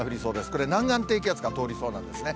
これ、南岸低気圧が通りそうなんですね。